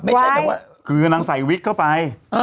ไม่ใช่แบบว่าคือนางใส่วิกเข้าไป